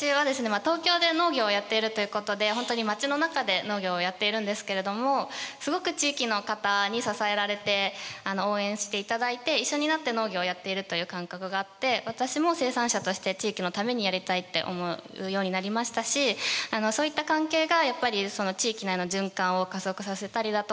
東京で農業をやっているということで本当に街の中で農業をやっているんですけれどもすごく地域の方に支えられて応援していただいて一緒になって農業をやっているという感覚があって私も生産者として地域のためにやりたいって思うようになりましたしそういった関係がやっぱりその地域内の循環を加速させたりだとか